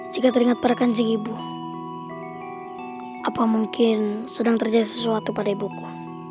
jika teringat pada kanjing ibu apa mungkin sedang terjadi sesuatu pada ibuku